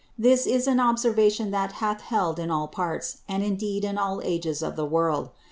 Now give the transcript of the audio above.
This is an Observation that hath held in all Parts, and indeed in all Ages of the World.